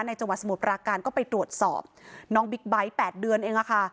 จังหวัดสมุทรปราการก็ไปตรวจสอบน้องบิ๊กไบท์๘เดือนเองอะค่ะ